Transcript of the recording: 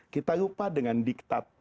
kita lupa dengan diktat